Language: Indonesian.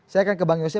saya akan ke bang yose